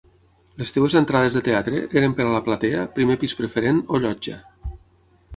Les teves entrades de teatre eren per a la platea, primer pis preferent o llotja?